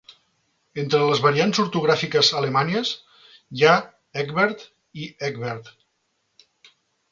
Entre les variants ortogràfiques alemanyes hi ha Ekbert i Ecbert.